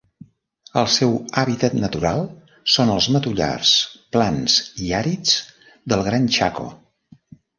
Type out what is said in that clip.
El seu hàbitat natural són els matollars plans i àrids del Gran Chaco.